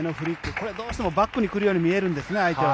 これどうしてもバックに来るように見えるんですが、相手は。